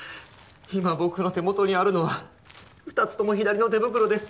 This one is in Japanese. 今僕の手元にあるのは２つとも左の手袋です